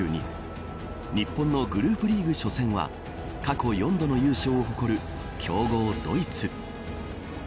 日本のグループリーグ初戦は過去４度の優勝を誇る強豪ドイツ。